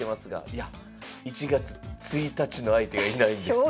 「いや１月１日の相手がいないんです」。